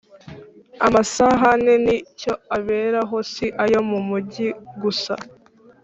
Amasahane ni cyo aberaho si ayo mu mujyi gusa